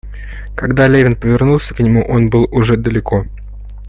Когда Левин повернулся к нему, он был уже далеко.